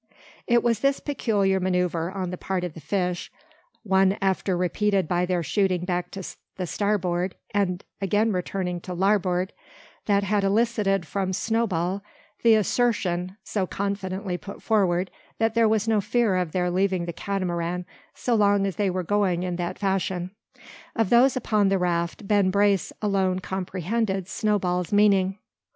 It was this peculiar manoeuvre on the part of the fish, won after repeated by their shooting back to the starboard, and again returning to larboard, that had elicited from Snowball the assertion, so confidently put forward, that there was no fear of their leaving the Catamaran so long as they were going in that fashion. Of those upon the raft, Ben Brace alone comprehended Snowball's meaning.